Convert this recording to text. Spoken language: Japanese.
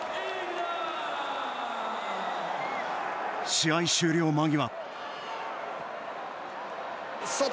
試合終了間際。